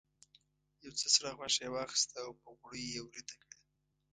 یو څه سره غوښه یې واخیسته او په غوړیو یې ویریته کړه.